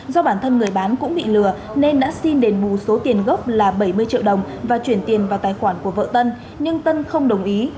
do bản thân người bán cũng bị lừa nên đã xin đền bù số tiền gốc là bảy mươi triệu đồng và chuyển tiền vào tài khoản của vợ tân nhưng tân không đồng ý